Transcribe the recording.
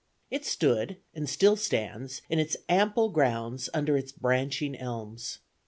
It stood, and still stands, in its ample grounds, under its branching elms.